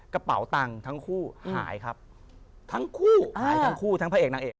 กระเป๋าตังค์ทั้งคู่หายครับทั้งคู่หายทั้งคู่ทั้งพระเอกนางเอก